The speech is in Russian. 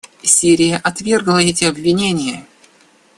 Сирия отвергла эти обвинения.